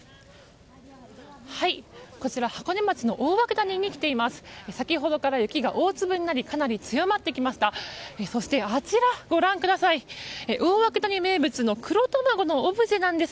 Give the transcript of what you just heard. こちら、箱根町の大涌谷に来ています。